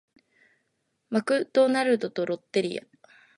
マクドナルドとロッテリア